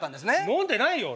飲んでないよ。